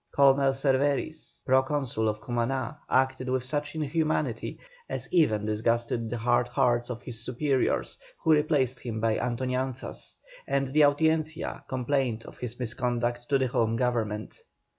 Colonel Cervéris, pro consul of Cumaná, acted with such inhumanity as even disgusted the hard hearts of his superiors, who replaced him by Antoñanzas, and the Audiencia complained of his misconduct to the Home Government.